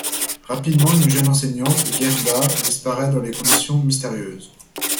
Rapidement une jeune enseignante, Gerda, disparaît dans des conditions mystérieuses.